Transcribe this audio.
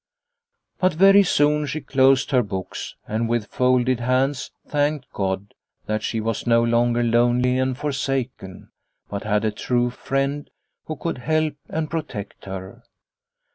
But very soon she closed her books and with folded hands thanked God that she was no longer lonely and forsaken, but had a true friend who could help and protect her.